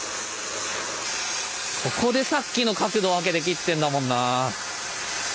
ここでさっきの角度分けて切ってんだもんな。